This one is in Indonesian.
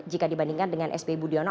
jika dibandingkan dengan sby budiono